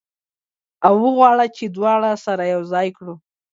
او وغواړو چې دواړه سره یو ځای کړو.